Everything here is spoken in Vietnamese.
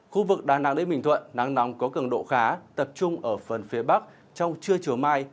khu vực đà nẵng đến bình thuận nắng nóng có cường độ khá tập trung ở phần phía bắc trong trưa chiều mai